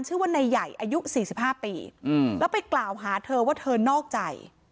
ชื่อว่านายใหญ่อายุ๔๕ปีแล้วไปกล่าวหาเธอว่าเธอนอกใจ